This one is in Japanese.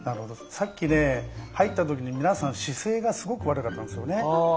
さっきね入った時に皆さん姿勢がすごく悪かったんですよね。